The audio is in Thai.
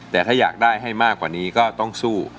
แต่ถ้าอยากได้ให้มากกว่านี้ก็ต้องสู้